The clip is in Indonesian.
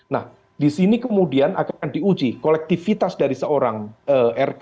nah disini kemudian akan diuji kolektivitas dari seorang rk